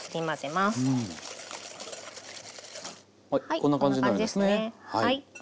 こんな感じですね。